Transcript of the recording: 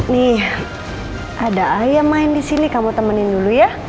nih ada ayah main di sini kamu temenin dulu ya